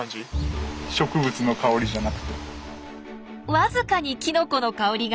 わずかにきのこの香りが。